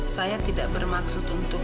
saya tidak bermaksud untuk